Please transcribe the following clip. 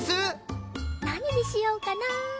何にしようかな？